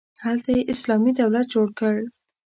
هلته یې اسلامي دولت جوړ کړ.